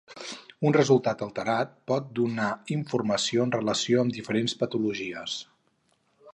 Un resultat alterat pot donar informació en relació amb diferents patologies.